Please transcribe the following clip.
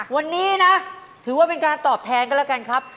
วันนี้นะถือว่าเป็นการตอบแทนกันแล้วกันครับ